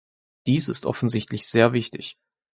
Dies ist offensichtlich sehr wichtig.